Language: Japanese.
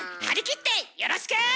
張り切ってよろしく！